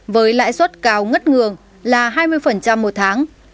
với lãi suất cao ngất ngường là hai mươi một tháng